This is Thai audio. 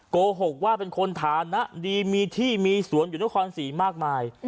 โกหกว่าเป็นคนฐานะดีมีที่มีสวนอยู่นครศรีมากมาย